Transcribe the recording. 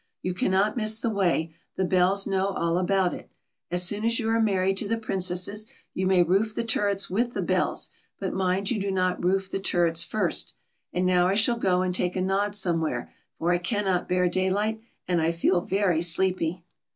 You cannot miss the way ; the bells know all about it. As soon as you are married to the Princesses, you may roof the turrets with the bells, but mind you do not roof the turrets first. And now I shall go and take a nod somewhere, for I cannot bear daylight, and I feel very sleepy."